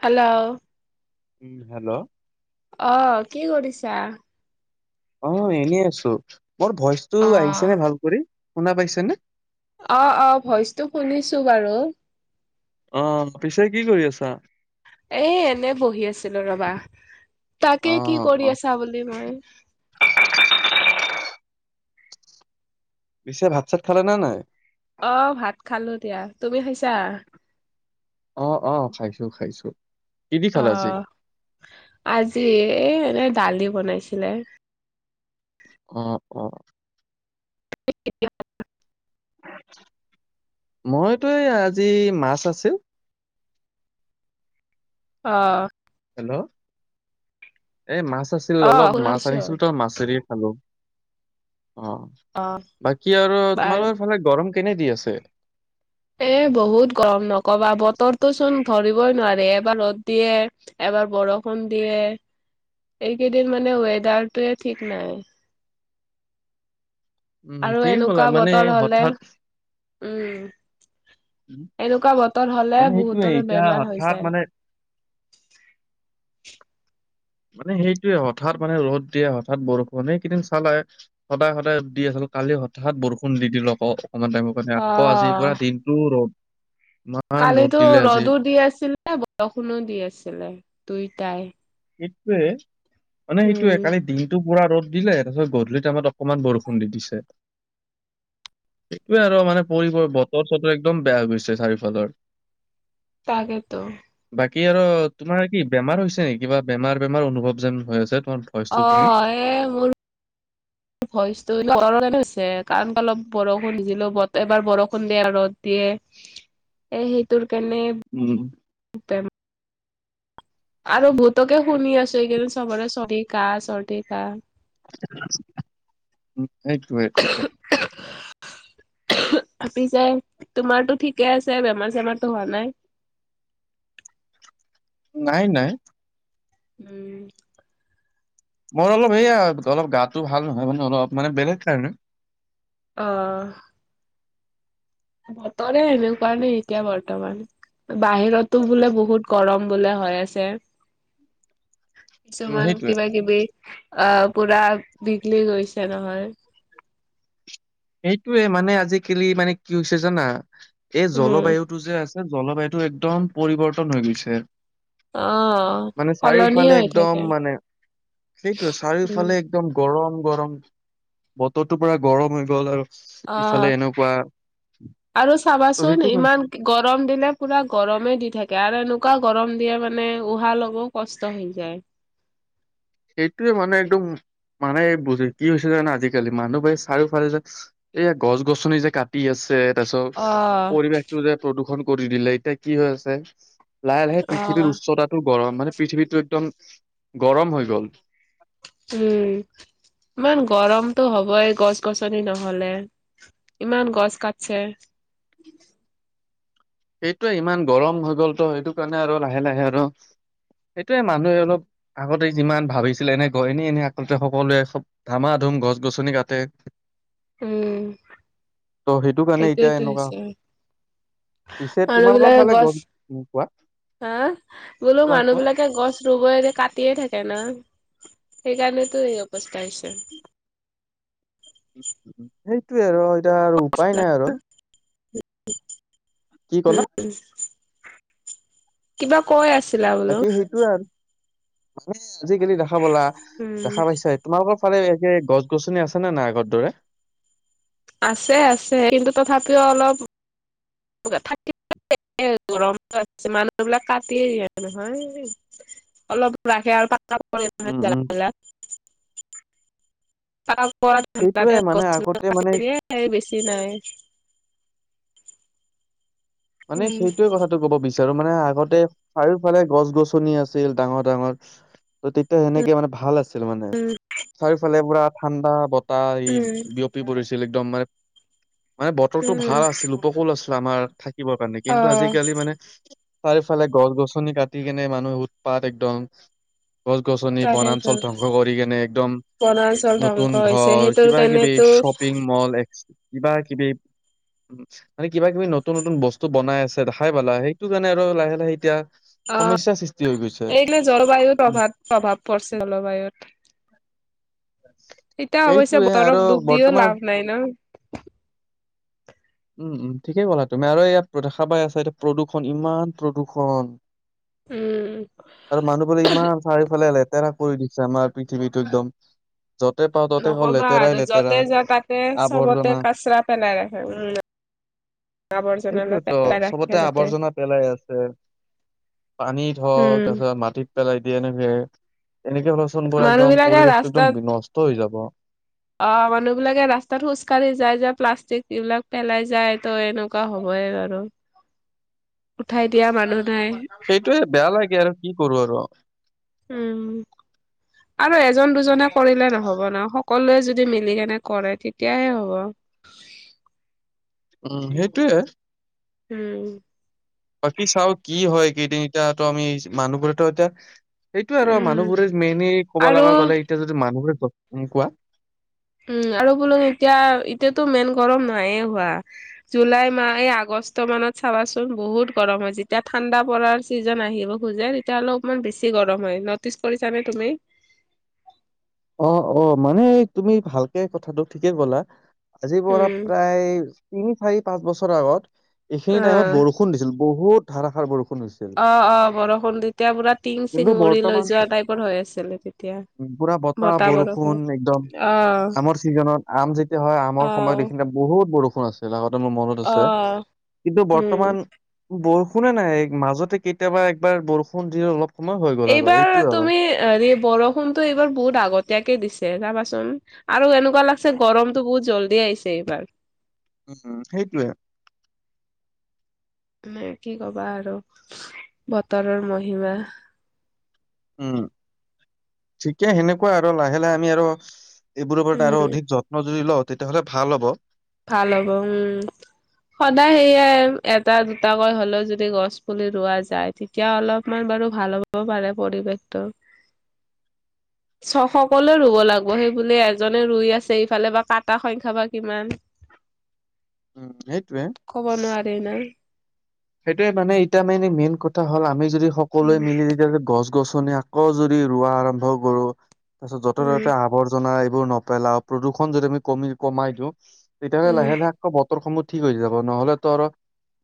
Hello, উম, hello, অ, কি কৰিছা। অ, এনেই আছো মোৰ ভইচটো অ আহিছেনে ভাল কৰি শুনা পাইছেনে। অ- অ ভইচটো শুনিছো বাৰু। অ, পিছে কি কৰি আছা। এই এনে বহি আছিলো ৰবা অ, তাকে কি কৰি অ, আছা বুলি মই পিছে ভাত চাত খালে নাই - নাই চাৰ অ - অ খাইছো - খাইছো। কি দি খালা আজি? আহ, আজি এ এনেই দালি বনাইছিলে। অ - অ। [unintelligible] মইতো এই আজি মাছ আছিল। [inaudible] অ'। হেল্ল' এই মাছ আছিল অ অলপ, শুনা মাছ পাইছো আনিছিল তই মাছেদি খালো অ' অ বাকী আৰু বাৰু তোমালোকৰ ফালে গৰম কেনে দি আছে এ বহুত গৰম নকবা বতৰটো চোন। ধৰিবই নোৱাৰে, এবাৰ ৰ'দ দিয়ে এবাৰ বৰষুণ দিয়ে। এইকেইদিন মানে ৱেদাৰটো ঠিক নাই। উম' আৰু ঠিক বলা এনেকুৱা মানে বতৰ হলে হঠাৎ উম এনেকুৱা বত ৰ হলে মানে সেইটোয়ে বহুতৰে এতিয়া বেমাৰ হৈ হঠাৎ যায়। মানে মানে সেইটোোৱে হঠাৎ মানে ৰ'দ দিয়ে, হঠাৎ বৰষুণে এইকেইদিন চালাই সদায় সদায় দি আ কালি হঠাৎ বৰষুণ দি দিলো আকৌ অকনমান টাইমৰ কাৰণে আকৌ আজি অ', পৰা দিনতটো ৰ'দ। ইমান ৰ'দ কালিতো দিলে আজি ৰ'দো দি আছিলে, বৰষুণো দি আছিলে দুইটাই। সেইটোৱে মানে সেইটোয়ে উম, কালি দিনটো। পুৰা ৰ'দ দিলে তাৰপিছত গধূলি আমত অকনমান বৰষুণ দি দিছে। সেইটোৱে আৰু মানে পৰি বতৰ চতৰ একদম বেয়া হৈ গৈছে চাৰিওফালৰ তাকেতো। বাকী আৰু তোমাৰ কি বেমাৰ হৈছে নে কিবা বেমাৰ, বেমাৰ অনুভৱ যেন হৈ আছে। তোমাৰ ভইচটো শুনি অ' এ মোৰ ভইচটো কাৰণ অলপ বৰষুণ দিজিলো ব এবাৰ বৰষুণ দিয়ে ৰ'দ দিয়ে। এ সেইটোৰ কাৰণে উম আৰু বহুতকে শুনি আছো এইকেইদিন চবৰে চৰ্দি, কাহ, চৰ্দি, কাহ। এইেইটো ঠিকে। ভাপি যাই তোমাৰতটো ঠিকে আছে বেমাৰ- চেমাৰতো হোৱা নাই। নাই-নাই। উম। মোৰ অলপ সেয়া অলপ গাটো ভাল নহয় মানে অলপ মানে বেলেগ কাৰণে। অহ। বতৰে এনেকুৱা নি এতিয়া বৰ্তমান বাহিৰতো বোলে বহুত গৰম। বোলে হৈ আছে উম কিছুমান সেইটোৱে। কিবা কিবি। আহ পুৰা বিঘলি গৈছে নহয়। সেইটোয়ে মানে আজিকালি মানে কি হৈছে জানা এই উম জলবায়ুতটো যে আছে। জলবায়ুটো একদম পৰিৱৰ্তন হৈ গৈছে। অ' মানে সলনি চাৰিওফালে হৈ একদম থাকে মানে। সেইটো উম চাৰিওফালে একদম গৰম-গৰম, বতৰটো পুৰা গৰম হৈ গ'ল আৰু অ'। ইফালে এনেকুৱা। আৰু ত' চাবাচোন সেইটো ইমান গৰম দিলে পুৰা গৰমে দি থাকে আৰু এনেকুৱা। এনেকা গৰম দিয়ে মানে উহা লবাও কষ্ট হৈ যায়। সেইটোৱে মানে একদম। মানে বুজি কি হৈছে জানা আজিকালি মানুহবোৰে চাৰিওফালে যে এইয়া গছ-গছনি যে কাটি আছে। তাৰপিছত অ' পৰিৱেশটো যে প্ৰদূষণ কৰি দিলে এতিয়া কি হৈ আছে। লাহে লাহে পৃথিৱীৰ অ' উচ্চতাটো গৰম মানে পৃথিৱীতটো একদম গৰম হৈ গ'ল। উম'। ইমান গৰমতটো হ'বই, গছ শ-গছনি নহ'লে ইমান গছ কাটছে। [inaudible] সেইটোয়ে ইমান গৰম হৈ গ'ল তো সেইটো কাৰণে আৰু লাহে লাহে আৰু সেইটোয়ে মানুহে অলপ আগতে যিমান ভাবিছিলে, এনে গয় এনে, এনে আকলতে সকলোৱে চব আমাৰ গছ-গছনি কাটে। উম। ত' সেইটো কাৰণে এতিয়া সেইটোৱেতো এনেকুৱা হৈছে। পিছে মানুহ তোমালোকৰ বিলাকে ফালে গছ গৰম কোৱা। হা বোলো কোৱা মানুহ কোৱা বিলাকে গছ ৰুব কাটিয়ে থাকে না সেইকাৰণেতো এই অৱস্থা হৈছে সেইটোৱে আৰু এতিয়া আৰু উপায় নাই আৰু কি উ ক'লা কিবা কৈ আছিলা বোলো মানে আজিকালি দেখা বলা উম দেখা পাইছাই তোমালোকৰ ফালে একে গছ গছনি আছে নে নাই আগৰ দৰে আছে আছে কিন্তু তথাপিও অলপ থাক গৰম আছে মানুহবিলাক কাটিয়ে দিয়ে নহয় অলপ ৰাখে আৰু প উম উম জাক সেইটোয়ে ঠাণ্ডাতে মানে গছে আগতে মানে হে বেছি নাই মানে উম সেইটোৱে কথাটো ক'ব বিচাৰ আৰু মানে আগতে চাৰিওফালে গছ গছনি আছিল ডাঙৰ ডাঙৰ ত তেতিয়া সেনেকে মানে ভাল আছে ছিল মানে উম চাৰিওফালে পুৰা ঠাণ্ডা বতাহ এই উম বিয়পি পৰিছিল একদম মানে মানে বতৰটো উম ভাল আছিল উপকুল আছিল আমাৰ ঠাই শিকিবৰ কাৰণে অ কিন্তু আজিকালি মানে চাৰিফালে গছ গছনি কাটি কেনে মানুহে উৎপাত একদম গছ গছনি তাকেইতো বনাঞ্চল ধ্বংস কৰি কেনে একদম বনাঞ্চল নতুন ধ্বংস হৈছে ঘৰ সেইটোৰ কিবা ক ব কাৰণেতো শ্বপিং মল এক কিবা কিবি উ মানে কিবা কিবি নতুন নতুন বস্তু বনাই আছে দেখাই পালা সেইটো কাৰণে আৰু লাহে লাহে এতিয়া সমস্যা সৃষ্টি হৈ গৈছে। এইগিলে জলবায়ুত প্ৰভাৱ প্ৰভাৱ পৰিছে জলবায়ুত এতিয়া অৱশ্যে সেইটোয়ে আৰু বতৰক দুখ দিও বৰ্তমান লাভ নাই ন [inaudible] উম উম ঠিকেই ক'লা তুমি আৰু এয়াত দেখা পাই আছা এতিয়া প্ৰদূষণ ইমান প্ৰদূষণ উম আৰু মানুহ বোলে ইমান চাৰিওফালে তেৰা কৰি দিছে আমাৰ পৃথিৱীটো একদম য'তে পাওঁ ত'তে কওঁ নকবা লেতেৰাই আৰু লেতেৰা য'তে যা তাতে চবতে আৱৰ্জনা কাচৰা পেলাই ৰাখে উম আৱৰ্জনা অলপ সেটোৱেতো পেলাই ৰাখে চবতে যাতে আৱৰ্জনা পেলাই আছে পানীত হওক উম তাৰপিছত মাটিত পেলাই দিয়ে এনেক এনেকে হলচোন পূৰা মানুহ একদম বিলাকে পৰিৱেশটো একদম ৰাস্তাত বিনষ্ট হৈ যাব অ মানুহ বিলাকে ৰাস্তাত খোজকাঢ়ি যায় যে প্লাষ্টিক এইবিলাক পেলাই যায় তো এনেকুৱা হবই বাৰু উঠাই দিয়া মানুহ নাই সেইটোয়ে বেয়া লাগে আৰু কি কৰো আৰু উম আৰু এজন দুজনে কৰিলে নহব ন সকলোৱে যদি মিলি কেনে কৰে তেতিয়াহে হ'ব উম সেইটোয়ে উম বাকী চাও কি হয় কেইদিন এতিয়াাতো আমি মানুহবোৰেতো এতিয়া সেইটোয়ে আৰু উম মানুহবোৰে মেইনলি কব আৰু লগা গ'লে এতিয়া যদি মানুহবোৰে কোৱা উম আৰু বোলো এতিয়া এতিয়াতো মেইন গৰম নাইয়ে হোৱা জুলাই মাহ এই আগষ্ট কষ্ট মানত চাবাচোন বহুত গৰম হয় যেতিয়া ঠাণ্ডা পৰাৰ চিজন আহিব খোজে তেতিয়াাহ'লে অকণমান বেছি বেছি গৰম হয় নটিচ কৰিছা নে তুমি অ অ মানে তুমি ভালকে কথাটো ঠিকে ক'লা আজিৰ পৰা উম প্ৰায় তিনি চাৰি পাঁচ বছৰ আগত এইখিনি অ টাইমত বৰষুণ দিছিল বহুত ধাৰাষাৰ বৰষুণ দিছিল। অ অ বৰষুণ তেতিয়া পুৰা টিং কিন্তু চিং উৰি লৈ বৰ্তমান যোৱা টাইপৰ হৈ আছিলে তেতিয়া পুৰা বতাহ বৰষুণ একদম অ আমৰ ছিজনত আম যেতিয়া হয় আমৰ অ সময়ত এইখিন বহুত বহুত বৰষুণ আছিল আগতে মোৰ মনত অ আছে কিন্তু উম বৰ্তমান বৰষু শুনা নাই মাজতে কেতিয়াবা একবাৰ বৰষুণ দি অলপ সময় হৈ গ'ল আৰু এইবাৰ এইটোয়ে আৰু। তুমি বৰষুণতটো এইবাৰ বহুত আগ আগতিয়াকে দিছে যাবাচোন আৰু এনেকুৱা লাগছে গৰমতটো বহুত জলদি আহিছে এইবাৰ। উম সেইটোৱে। হ কি কবা আৰু বতৰৰ মহিমা। উম ঠিকে সেনেকুৱা আৰু লাহে লাহে আমি আৰু এইবোৰৰ ওপৰত উম আৰু অধিক যত্ন যদি লও তেতিয়াহ'লে ভাল হ'ব। ভাল হ'ব উম। সদায় সেয়ে এটা দুটাকৈ হলেও যদি গছ পুলি ৰোৱা যায় তেতিয়া অলপমান। বাৰু ভাল হব পাৰে পৰিৱেশটো। [unintelligible] ছ' সকলোৱে ৰুব লাগিব সেই বোলে এজনে ৰুই আছে ইফালে বা কাটা সংখ্যা বা কিমান। উম সেইটোয়ে কব নোৱাৰি ন। সেইটোয়ে মানে এতিয়া মানে মেইন কথা হ'ল আমি যদি সকলোৱে উম মিলি যদি গছ গছনি আকৌ যদি ৰোৱা আৰম্ভ কৰো তাৰ পিছত যতে উম ততে আৱৰ্জাই যদি নেপেলাও প্ৰদূশন যদি আমি কমাই দিও তেতিয়া হলে উম লাহে লাহে আকৌ বতৰ সমূহ ঠিক হৈ যাব নহলেতো আৰু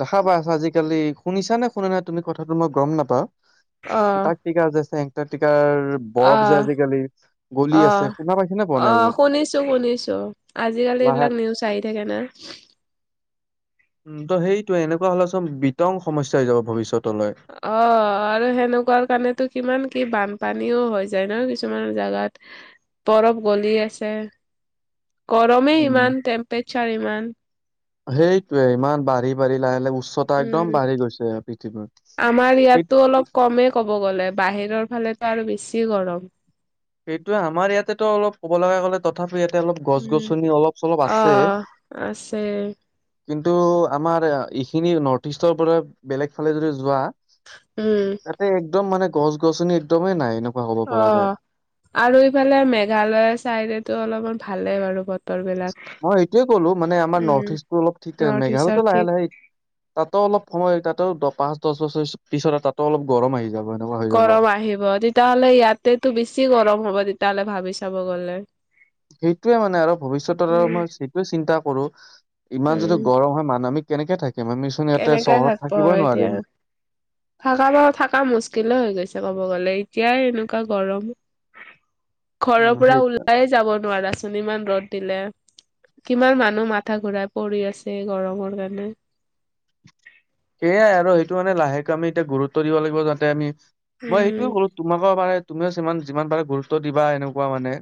দেখা পাই আজিকালি শুনিছা নে শুনা নাই তুমি কথাটো মই গম নাপাও এই অ এন্টাৰ্কটিকা যে আছে ট্ৰিকাৰ অ অ আছে শুনা পাইছে নে পোৱা অ নাই এইবোৰ শুনিছো শুনিছো আজি কালি লাহে এইবিলাক নিউজ আহি থাকে না। উম ত' সেইটোয়ে এনেকুৱা হলে চোন বিতং সমস্যা হৈ যাব ভৱিষ্যত। অ আৰু সেনেকুৱা কাৰণেতো কিমান কি বানপানীও হৈ যায় ন কিছুমান জাগাত বৰফ গলি আছে গৰমেই উম। ইমান টেম্পেচাৰ ইমান। সেইটোৱেই ইমান বাঢ়ি বাঢ়ি লাহ লাহে উচ্চতা একদম উম বাঢ়ি গৈছে পৃথিৱীৰ। আমাৰ সেই ইয়াতটো অলপ কমেই কব গ'লে বাহিৰৰ এফালটোে আৰু বেছিয়ে গৰম। সেইটোয়ে আমাৰ ইয়াতেটো অলপ ক'ব লগা গ'লে তথাপিও অলপ গছ উম, গছনি অলপ চলপ আছে। অ' আছে কিন্তু আমাৰ এইখিনি নৰ্থ ইষ্টৰ পৰা বেলেগ ফালে যদি যোৱা উম, তাতে একদম মানে গছ গছনি একদমেই নাই এনেকুৱা কব পৰা যায়। অ'। আৰু ইফালে মেঘালয় চাইডেতো অলপমান ভালে বাৰু গছ মই এইটোয়ে ক'লো, মানে আমাৰ উম, নৰ্থ-ইষ্টটো অলপ ঠিক থাকে, নৰ্থ ইষ্টৰ মেঘালয়টো ঠিক। লাহে-লাহে তাতো অলপ সময় তাতো পাঁচ-দহ বছৰ পিছত তাতো অলপ গৰম আহি যাব। এনেকুৱা হৈ যাব। গৰম আহিব, তেতিয়াহ'লে ইয়াতেতো বেছি গৰম হ'ব তেতিয়াহলে ভাবি চাব গ'লে। সেইটোৱে মানে, আৰু ভৱিষ্যতৰো উম, মই সেইটোয়ে চিন্তা কৰো। ইমান উম। যদি গৰম হয় মানৱিক। কেম মিচোন ইয়াতে কেনেকে চহৰত থাকব থাকিবই হয় এতিয়া নোৱাৰিম। থাকা বাৰু থাকা মুস্কিলে হৈ গৈছে ক'ব গ'লে, এতিয়াই এনেকুৱা গৰম। ঘৰৰ উম পৰা সেই ওলাইয়ে যাব নোৱাৰাচোন, ইমান ৰ'দ। দিলে কিমান মানুহ মাথা ঘূৰাই পৰি আছে গৰমৰ কাৰণে। সেইয়াই আৰু সেইটো মানে লাহেকে আমি এতিয়া গুৰুত্ব দিব লাগিব যাতে আমি মই উম সেইটোয়ে কলো, তোমাক [unintelligible] যিমান পাৰা গুৰুত্ব দিবা এনেকুৱা মানে।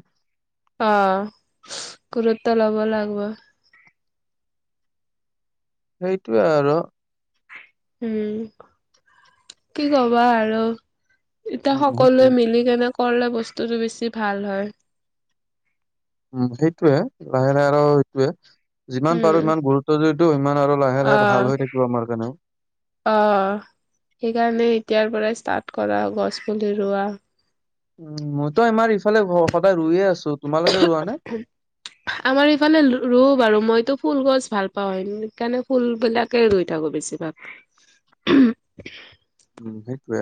অ' গুৰত্ব লব লাগব। সেইটোৱে আৰু। উম, কি কবা আৰু? এতিয়া উম সকলোৱে সেইটোয়ে মিলি কেনে কৰলে বস্তুটো বেছি ভাল হয়। উম সেইটোয়ে, লাহে লাহে আৰু সেইটোয়ে যিমান পাৰো ইমান গুৰুত্ব যদি অহ', কাৰণেও। অহ' সেইকাৰণে এতিয়াৰ পৰাই ষ্টাৰ্ট কৰা, গছ পুলি ৰুোৱা। উম' মইতো আমাৰ ইফালে সদায় ৰুই এই আছো। তোমালোকে ৰোৱা নে? [unintelligible] আমাৰ ইফালে ৰুও বাৰু, মইতো ফুল গছ ভাল পাওঁ সেইকাৰণে ফুলবিলাকে ৰুই থাকো বেছিভাগ। [unintelligible] উম' সেইটোৱে।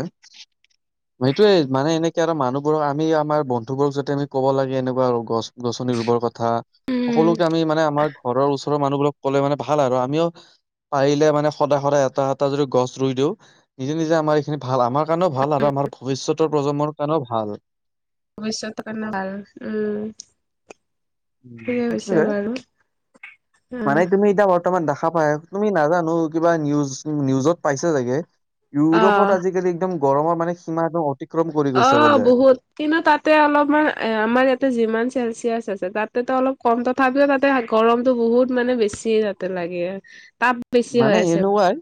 সেইটোয়ে মানে এনেকে আৰু মানুহবোৰক আমি আমাৰ বন্ধুবোৰক যদি আমি ক'ব লাগে এনেকুৱা গছ গছনি ৰুবৰ কথা কথা, উম সকলোকে আমি মানে আমাৰ ঘৰৰ ওচৰৰ মানুহবিলাক কলে মানে ভাল আৰু আমিও পাৰিলে মানে সদায় সদায় এটা এটা যদি গছ ৰুই দিওঁ। নিজে নিজে আমাৰ এইখিনি ভাল, আমাৰ কাৰণেও ভাল আৰু আমাৰ ভৱিষ্যতৰ প্ৰজন্মৰ কাৰণেও ভাল। ভৱিষ্যতৰ কাৰণেও ভাল, উম। উম' ঠিকে কৈছা সেইটোৱে। বাৰু অ মানে তুমি ইতা বৰ্তমান বৰ্তমান দেখা পায়, তুমি নাজানো কিবা নিউজ-নিউজত পাইছে চাগে। অ ইউৰোপত আজিকালি একদম গৰমৰ মানে সীমা একদম অতিক্ৰম কৰি গৈছে অহ' বোলে। বহুত কিন্তু তাতে অলপমান এ, আমাৰ ইয়াতে যিমান চেলচিয়াছ চেলচিয়াছ তাতেতো অলপ কম তথাপিওঁ তাতে গৰমতটো বহুত মানে, বেছি তাতে লাগে। তাপ বেছি হৈ মানে আছে এনেকুৱাই।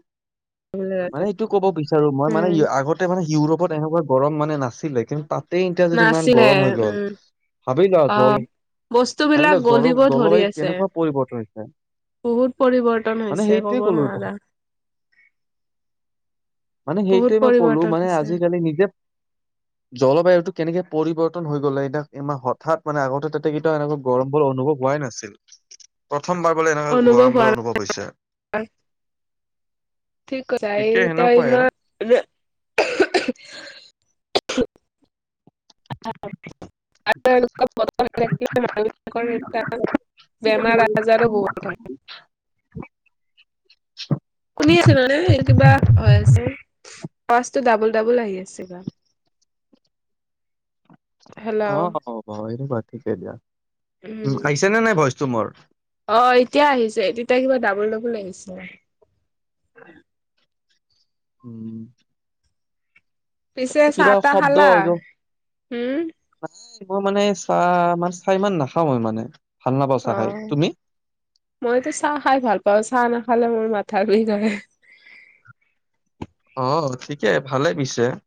বোলে তাতে মানে এইটো ক'ব বিচাৰো মই মানে উম ইয়াত আগতে মানে ইউৰোপত এনেকুৱা গৰম মানে নাছিলে, কিন্তু তাতেই এতিয়া যদি ইমান নাছিলে গৰম হৈ গ'ল। উম ভাবিলা অ জল, বস্তু বিলাক ভাবিলা জল গলিব ধৰি জলবায়ু আছে কেনেকুৱা পৰিৱৰ্তন হৈছে। বহুত পৰিৱৰ্তন মানে হৈছে সেইটোৱে ক'ব ক'লো ভ- নোৱাৰা। মানে বহুত সেইটোয়ে মই কলোঁ, পৰিৱৰ্তন মানে হৈছে আজিকালি নিজে জলবায়ুটো কেনেকে পৰিৱৰ্তন হৈ গ'লে, ইতা ইমান হঠাৎ মানে আগতে তাতে কঢ়িয়াওঁ এনেকুৱা গৰম বোৰ অনুভৱ হোৱাই নাছিল। প্ৰথমবাৰ বোলে, এনেকুৱা অনুভৱ গৰম হোৱা বোলে অনুভৱ হৈছে। [unintelligible] ঠিক কৈছা ঠিকে ইতা সেনেকুৱাই আৰু ইমান [unintelligible] [unintelligible] [unintelligible] এটা, বেমাৰ আজাৰো বহুত হয়। [unintelligible] শুনি আছে নহয় নে, কিবা হৈ আছে সচটো ডাবল ডাবল আহি আছে বা অহ' সেনেকুৱা ঠিকে দিয়া। উম' আহিছে নে নাই ভইচটো মোৰ। অহ' এতিয়া আহিছে, তেতিয়া কিবা ডাবুল-ডাবুল আহিছে। উম'। পিছে ই চাহ কিবা তাহ শব্দ। খালা? হুম [unintelligible] মই মানে চাহ, মানে চাহ ইমান নাখাওঁ মানে। ভাল নাপাওঁ চাহ খাই অহ' তুমি? মইতো চাহ খাই ভাল পাওঁ চাহ না ভালে মোৰ মথা ই কৰে। অহ' ঠিকে। ভালে পিছে।